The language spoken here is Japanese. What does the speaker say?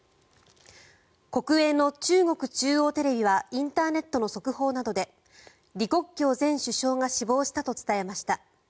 国営の中国中央テレビはインターネットの速報などで李克強前首相が死亡したと伝えました。